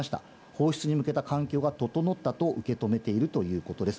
放出に向けた環境が整ったと受け止めているということです。